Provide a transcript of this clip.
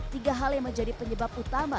tiga hal yang menjadi penyebab utama